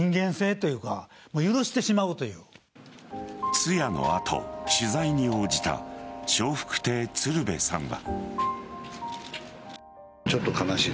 通夜の後、取材に応じた笑福亭鶴瓶さんは。